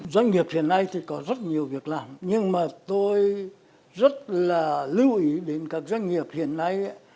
doanh nghiệp hiện nay thì có rất nhiều việc làm nhưng mà tôi rất là lưu ý đến các doanh nghiệp hiện nay